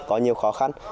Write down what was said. có nhiều khó khăn